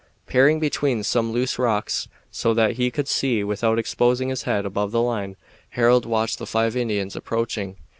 Peering between some loose rocks, so that he could see without exposing his head above the line, Harold watched the five Indians approaching.